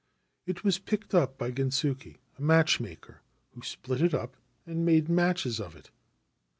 It was picked up by Gensuke, a match maker, who split it up and made matches of it.